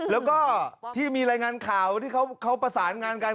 แล้วก็ที่มีรายงานข่าวที่เขาประสานงานกัน